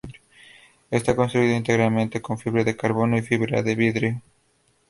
Está construido íntegramente con fibra de carbono y fibra de vidrio.